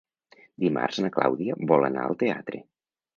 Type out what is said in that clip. Dimarts na Clàudia vol anar al teatre.